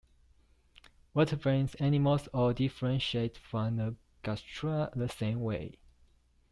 Vertebrate animals all differentiate from the gastrula the same way.